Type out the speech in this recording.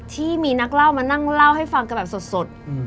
ที่มีนักเล่ามานั่งเล่าให้ฟังกันแบบสด